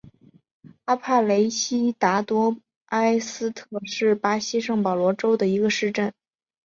阿帕雷西达多埃斯特是巴西圣保罗州的一个市镇。